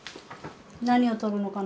何を取るのかな？